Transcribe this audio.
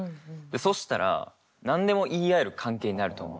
そしたら何でも言い合える関係になると思う。